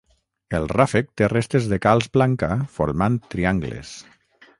El ràfec té restes de calç blanca formant triangles.